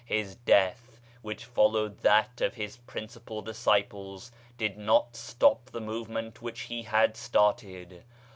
His death, which followed that of his principal dis ciples, did not stop the movement which he had started.